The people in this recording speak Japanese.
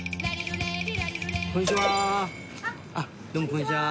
こんにちは。